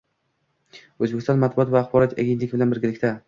O`zbekiston matbuot va axborot agentligi bilan birgalikda